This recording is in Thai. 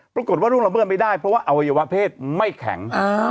ปรากฏว่าล่วงละเมิดไม่ได้เพราะว่าอวัยวะเพศไม่แข็ง